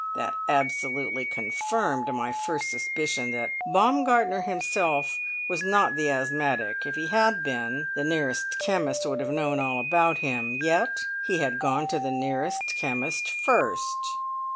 That absolutely confirmed my first suspicion that Baumgartner himself was not the asthmatic; if he had been, the nearest chemist would have known all about him. Yet he had gone to the nearest chemist first!"